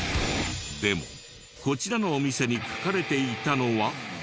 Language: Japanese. でもこちらのお店に書かれていたのは。